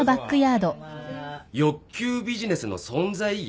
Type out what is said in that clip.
欲求ビジネスの存在意義？